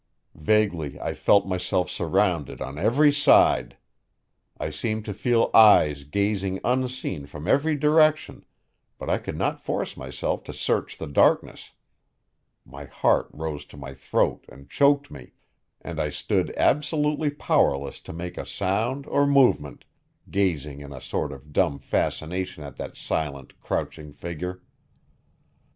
Vaguely I felt myself surrounded on every side; I seemed to feel eyes gazing unseen from every direction, but I could not force myself to search the darkness; my heart rose to my throat and choked me, and I stood absolutely powerless to make a sound or movement, gazing in a sort of dumb fascination at that silent, crouching figure.